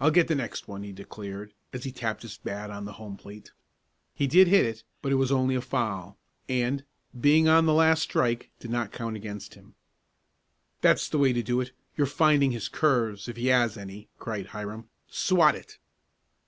"I'll get the next one!" he declared, as he tapped his bat on the home plate. He did hit it, but it was only a foul, and, being on the last strike, did not count against him. "That's the way to do it. You're finding his curves if he has any!" cried Hiram. "Swat it!"